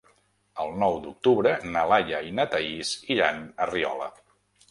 El nou d'octubre na Laia i na Thaís iran a Riola.